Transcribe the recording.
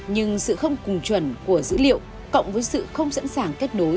nhưng sự không cùng chuẩn của dữ liệu cộng với sự không sẵn sàng kết nối